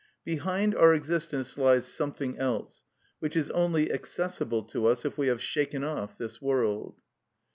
Behind our existence lies something else, which is only accessible to us if we have shaken off this world.